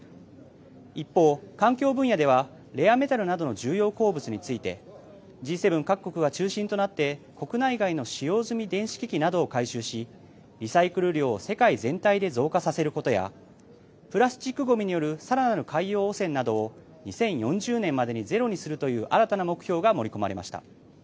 一方、環境分野ではレアメタルなどの重要鉱物についてＧ７各国が中心となって国内外の使用済み電子機器などを回収しリサイクル量を世界全体で増加させることやプラスチックごみによるさらなる海洋汚染などを２０４０年までにゼロにするという新たな目標が盛り込まれました。